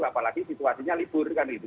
apalagi situasinya libur kan gitu